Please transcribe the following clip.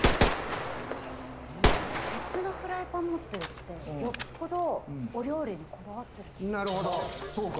鉄のフライパン持ってるって、よっぽど、お料理にこだわってる。